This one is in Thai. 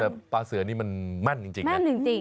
แต่ปลาเสือนี่มันแม่นจริงนะ